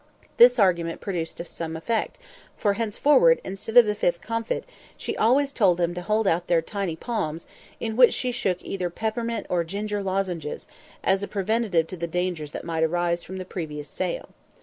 This argument produced some effect; for, henceforward, instead of the fifth comfit, she always told them to hold out their tiny palms, into which she shook either peppermint or ginger lozenges, as a preventive to the dangers that might arise from the previous sale.